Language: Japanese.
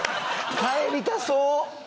帰りたそう。